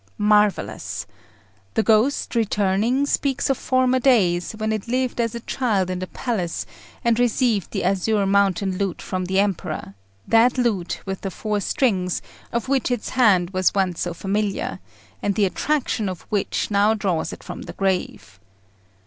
Marvellous! The ghost, returning, speaks of former days, when it lived as a child in the palace, and received the Azure Mountain lute from the Emperor that lute with the four strings of which its hand was once so familiar, and the attraction of which now draws it from the grave.